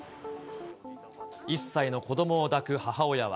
１歳の子どもを抱く母親は。